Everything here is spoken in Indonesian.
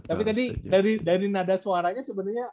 tapi tadi dari nada suaranya sebenarnya